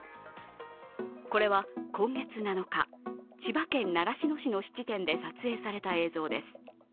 これは今月７日、千葉県習志野市の質店で撮影された映像です。